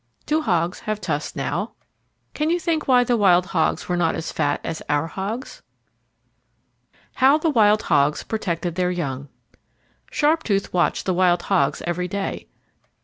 Do hogs have tusks now? Can you think why the wild hogs were not as fat as our hogs? How the Wild Hogs Protected their Young Sharptooth watched the wild hogs every day.